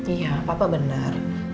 iya papa benar